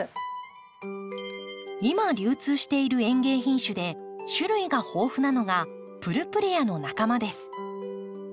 今流通している園芸品種で種類が豊富なのがプルプレアの仲間です。